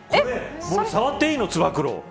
これ、触っていいのつば九郎。